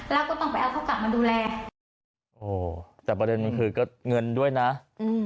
แล้วก็ต้องไปเอาเขากลับมาดูแลโอ้แต่ประเด็นมันคือก็เงินด้วยนะอืม